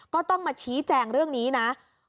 ก็ต้องมาชี้แจงเรื่องนี้นะ